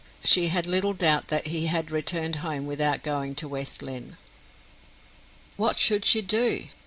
She had little doubt that he had returned home without going to West Lynne. What should she do?